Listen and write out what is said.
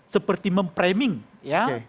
seperti mempriming ya